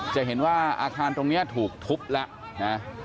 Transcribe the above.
จะเห็นว่าอาคารตรงนี้ถูกทุบแล้วนะ